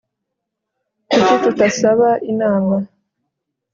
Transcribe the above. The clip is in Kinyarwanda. Kuki tutasaba inama